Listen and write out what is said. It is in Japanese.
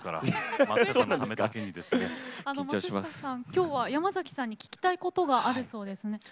今日は山崎さんに聞きたいことがあるそうですね。